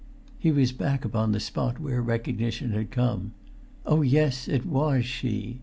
He was back upon the spot where recognition had come. Oh, yes, it was she!